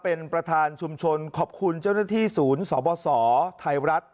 เป็นประธานชุมชนขอบคุณเจ้าหน้าที่ศูนย์สบสไทยรัฐ